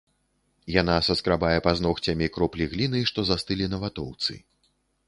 Яна саскрабае пазногцямі кроплі гліны, што застылі на ватоўцы.